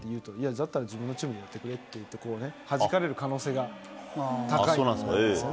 だったら自分のチームでやってくれって言って、はじかれる可能性が高いんですね。